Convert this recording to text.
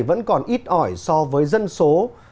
vẫn còn ít ỏi so với dân số